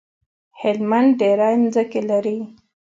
هلمند ډيری مځکی لری